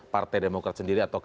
partai demokrat sendiri atau